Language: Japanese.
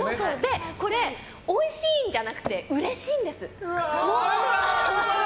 これ、おいしいんじゃなくてうれしいんです。